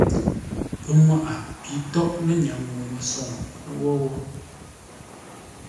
Pənŋwaʼa pi tóghʼ lə́nyaŋ ŋuu-məsoŋ wó wó.